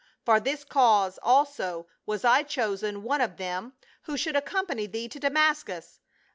For this cause also was I chosen one of them who should accompany thee to Damascus.